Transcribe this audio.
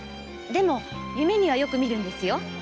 でも夢にはよく見るんですよ。